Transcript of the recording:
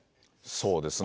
そうですね。